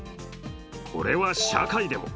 これは社会でも。